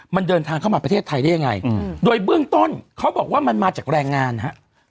มันเดินทางเข้ามาประเทศไทยได้ยังไงโดยเบื้องต้นเขาบอกว่ามันมาจากแรงงานฮะ